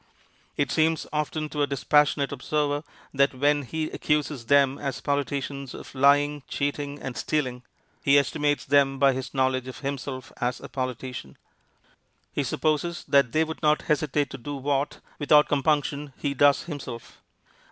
It seems often to a dispassionate observer that when he accuses them as politicians of lying, cheating, and stealing, he estimates them by his knowledge of himself as a politician. He supposes that they would not hesitate to do what, without compunction, he does himself.